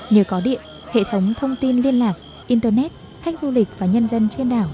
nhờ có điện hệ thống thông tin liên lạc internet khách du lịch và nhân dân trên đảo